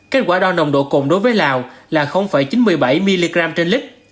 kết quả đo nồng độ cồn đối với lào là chín mươi bảy mg trên lít